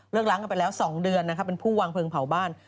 ล้างกันไปแล้ว๒เดือนนะครับเป็นผู้วางเพลิงเผาบ้าน